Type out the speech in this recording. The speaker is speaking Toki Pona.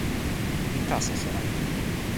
mi taso sona e ni.